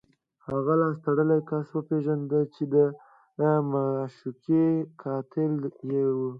هغه لاس تړلی کس وپېژنده چې د معشوقې قاتل یې و